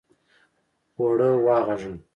اوړه واغږه!